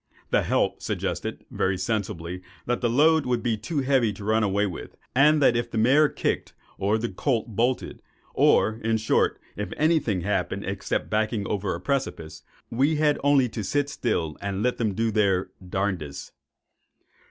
The "help" suggested very sensibly that the load would be too heavy to run away with, and that if the mare kicked, or the colt bolted—or, in short, if any thing happened, except backing over a precipice, we had only to sit still and let them do their "darndest."